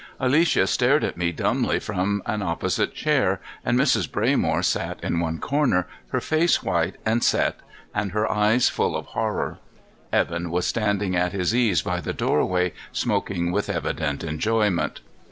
Alicia stared at me dumbly from an opposite chair, and Mrs. Braymore sat in one corner, her face white and set and her eyes full of horror. Evan was standing at his ease by the doorway, smoking with evident enjoyment.